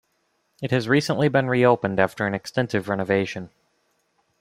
It has recently been reopened after an extensive renovation.